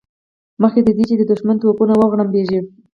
مخکې تر دې چې د دښمن توپونه وغړمبېږي.